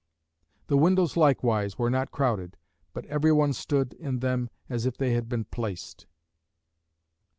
The windows likewise were not crowded, but every one stood in them as if they had been placed.